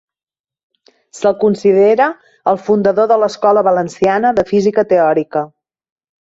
Se'l considera el fundador de l'escola valenciana de Física Teòrica.